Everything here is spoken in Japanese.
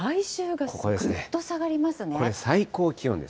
これ、最高気温です。